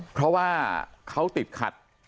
เพราะว่าเขาติดขัด